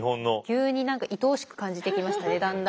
急に何かいとおしく感じてきましたねだんだん。